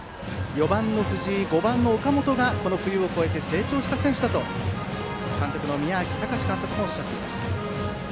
４番、藤井と５番の岡本がこの冬を越えて成長した選手だと監督の宮秋孝史監督はおっしゃっていました。